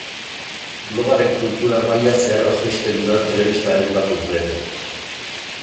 Blogaren kultura maila zeharo jaisten da telebista aipatuz gero.